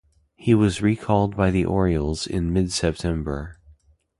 He was recalled by the Orioles in mid-September.